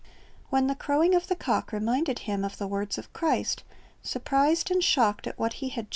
When the crowing of the cock reminded him of the words of Christ, surprised and shocked at what he had just 'Matt.